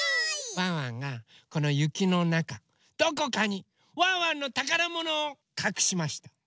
ワンワンがこのゆきのなかどこかにワンワンのたからものをかくしました。